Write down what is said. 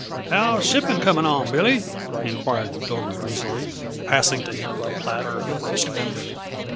"How's shipping coming on, Billy?" inquired the Pilgrim easily, passing to him the platter of roast beef.